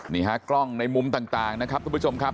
นี่ฮะกล้องในมุมต่างนะครับทุกผู้ชมครับ